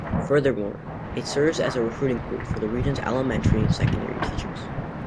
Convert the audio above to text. Furthermore, it serves as a recruiting pool for the region's elementary and secondary teachers.